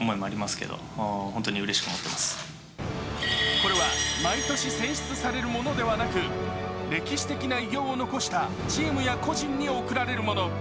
これは、毎年選出されるものではなく歴史的な偉業を残したチームや個人に贈られるもの。